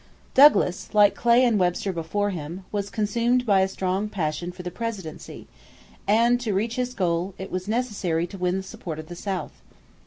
Douglas, like Clay and Webster before him, was consumed by a strong passion for the presidency, and, to reach his goal, it was necessary to win the support of the South.